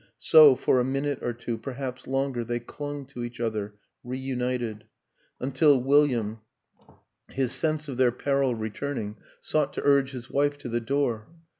... So for a min ute or two perhaps longer they clung to each other, reunited: until William, his sense of 140 WILLIAM AN ENGLISHMAN their peril returning, sought to urge his wife to the door.